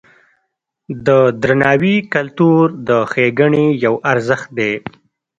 د درناوي کلتور د ښېګڼې یو ارزښت دی.